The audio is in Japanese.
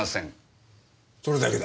それだけだ。